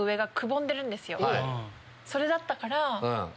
それだったから。